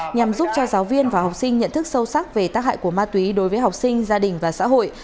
nhằm giúp cho giáo viên và học sinh nhận thức sâu sắc về tác hại của ma túy đối với học sinh gia đình và xã hội